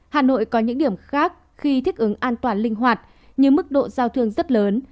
hà nội có những điểm khác khi thích ứng an toàn linh hoạt nhưng mức độ giao thương rất lớn